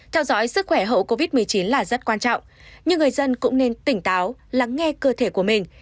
theo dõi sức khỏe hậu covid một mươi chín là rất quan trọng nhưng người dân cũng nên tỉnh táo lắng nghe cơ thể của mình